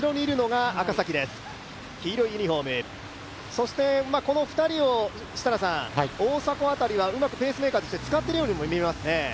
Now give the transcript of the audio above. そしてこの２人を大迫辺りはうまくペースメーカーとして使っているようにも見えますね。